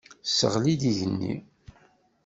Tesseɣli-d igenni.